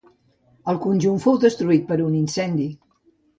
El conjunt fou destruït per un incendi.